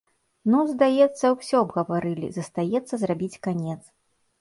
Ну, здаецца, усё абгаварылі, застаецца зрабіць канец.